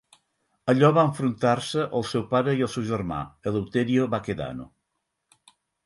Allà va enfrontar-se al seu pare i al seu germà, Eleuterio Baquedano.